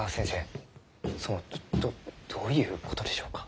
そのどどういうことでしょうか？